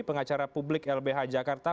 pengacara publik lbh jakarta